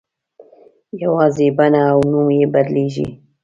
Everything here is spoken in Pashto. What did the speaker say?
یوازې بڼه او نوم یې بدلېږي.